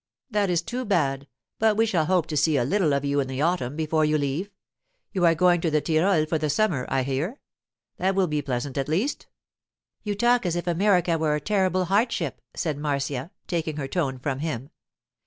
That is too bad, but we shall hope to see a little of you in the autumn before you leave. You are going to the Tyrol for the summer, I hear. That will be pleasant, at least.' 'You talk as if America were a terrible hardship,' said Marcia, taking her tone from him.